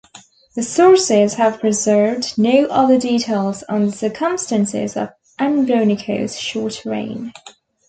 The sources have preserved no other details on the circumstances of Andronikos' short reign.